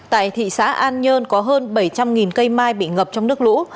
tại thị xã an nhơn có hơn bảy trăm linh cây mai bị ngập trong nước lũ